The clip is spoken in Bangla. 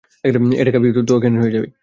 এটা খাবি, তো এখানের হয়ে যাবি।